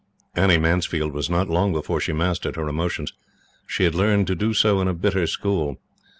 Annie Mansfield was not long before she mastered her emotions. She had learned to do so in a bitter school.